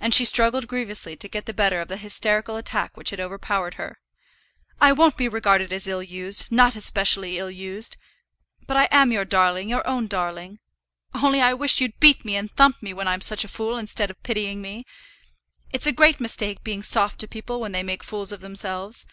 And she struggled grievously to get the better of the hysterical attack which had overpowered her. "I won't be regarded as ill used; not as specially ill used. But I am your darling, your own darling. Only I wish you'd beat me and thump me when I'm such a fool, instead of pitying me. It's a great mistake being soft to people when they make fools of themselves.